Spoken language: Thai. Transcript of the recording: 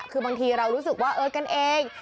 คือบางทีเรารู้สึกว่าเออกันเอง